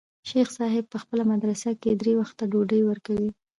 شيخ صاحب په خپله مدرسه کښې درې وخته ډوډۍ وركوي.